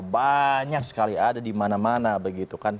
banyak sekali ada di mana mana begitu kan